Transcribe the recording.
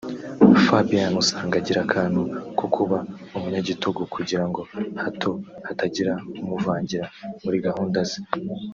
Fabien usanga agira akantu ko kuba umunyagitugu kugira ngo hato hatagira umuvangira muri gahunda ze